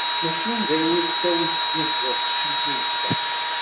Mačči d ayen i tettawi teslit di lqecc-is i d ṣṣeḥ.